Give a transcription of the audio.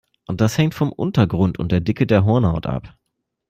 Das hängt vom Untergrund und der Dicke der Hornhaut ab.